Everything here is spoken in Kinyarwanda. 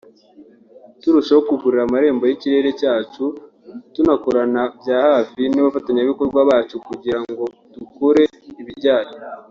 turushaho kugurura amarembo y’ikirere cyacu tunakorana bya hafi n’abafatanyabikorwa bacu kugira ngo dukore ibijyanye